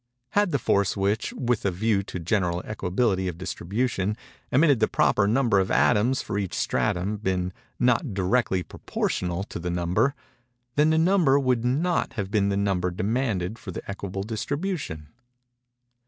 Had the force which, with a view to general equability of distribution, emitted the proper number of atoms for each stratum, been not directly proportional to the number, then the number would not have been the number demanded for the equable distribution.